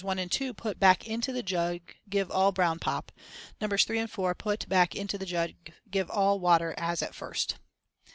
1 and 2 put back into the jug give all brown pop. Nos. 3 and 4 put back into the jug give all water, as at first.